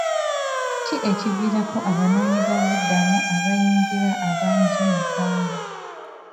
Ki ekiviirako abanoonyiboobubudamu abayingira abangi mu ggwanga?